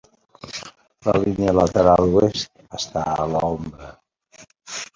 La línia lateral oest està a la ombra.